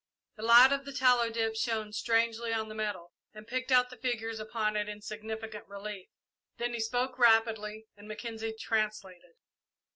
The light of the tallow dip shone strangely on the metal, and picked out the figures upon it in significant relief. Then he spoke rapidly, and Mackenzie translated.